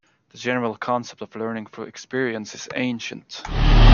The general concept of learning through experience is ancient.